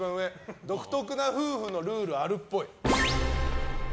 独特な夫婦のルールあるっぽい。